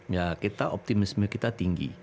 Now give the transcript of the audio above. ya kita optimisme kita tinggi